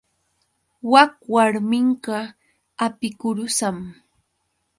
Wak warmiqa apikurusam.